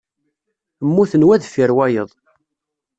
Mmuten wa deffir wayeḍ.